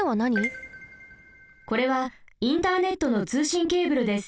これはインターネットのつうしんケーブルです。